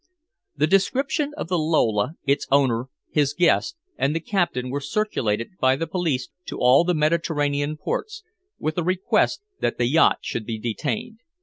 The description of the Lola, its owner, his guest, and the captain were circulated by the police to all the Mediterranean ports, with a request that the yacht should be detained.